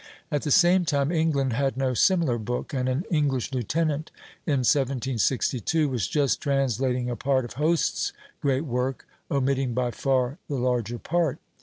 At the same time England had no similar book; and an English lieutenant, in 1762, was just translating a part of Hoste's great work, omitting by far the larger part.